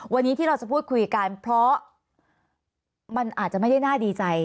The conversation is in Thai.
วันนี้ที่เราจะพูดคุยกันเพราะมันอาจจะไม่ได้น่าดีใจ